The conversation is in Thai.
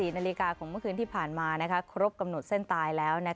นาฬิกาของเมื่อคืนที่ผ่านมาครบกำหนดเส้นตายแล้ว